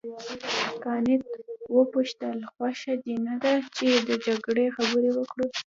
کانت وپوښتل خوښه دې نه ده چې د جګړې خبرې وکړو.